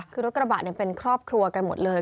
คือรถกระบะเป็นครอบครัวกันหมดเลย